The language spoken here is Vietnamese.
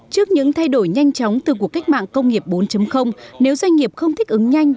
trước những thay đổi nhanh chóng từ cuộc cách mạng công nghiệp bốn nếu doanh nghiệp không thích ứng nhanh